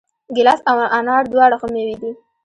ګیلاس او انار دواړه ښه مېوې دي.